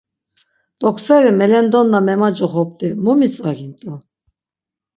Ťokseri melendonna memacoxopt̆i, mu mitzvagint̆u?